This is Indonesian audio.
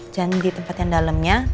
jangan di tempat yang dalemnya